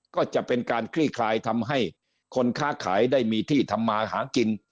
ก็จะเป็นการคลี่คลายทำให้คนค้าขายได้มีที่ทำมาหากิน